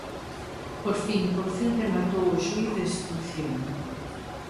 Por fin, por fin rematou o xuíz de instrución.